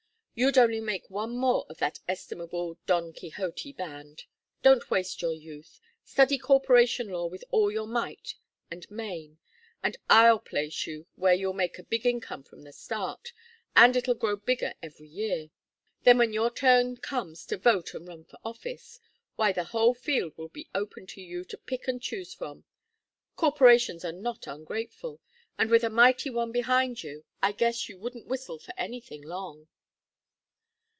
You'd only make one more of that estimable Don Quixote band. Don't waste your youth. Study corporation law with all your might and main, and I'll place you where you'll make a big income from the start and it'll grow bigger every year. Then when your turn comes to vote and run for office why, the whole field will be open to you to pick and choose from. Corporations are not ungrateful, and with a mighty one behind you, I guess you wouldn't whistle for anything, long."